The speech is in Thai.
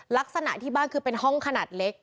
ลักษณะที่บ้านคือเป็นห้องขนาดเล็ก